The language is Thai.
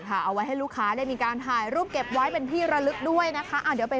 เป็นชามยักษ์๙๙บาทชามชาวประมาณ๑๒เซนติเมตรได้